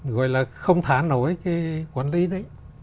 gọi là không thả nổi cái quản lý đấy